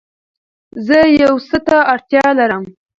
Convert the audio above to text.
زه يو څه ته اړتيا لرم